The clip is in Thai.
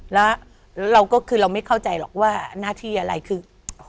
แล้วเราก็คือเราไม่เข้าใจหรอกว่าหน้าที่อะไรคือ